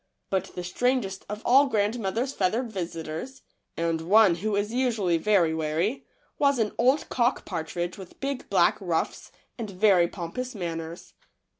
But the strangest of all grandmother's feathered visitors, and one who is usually very wary, w r as an old cock partridge with big black ruffs and very pompous manners.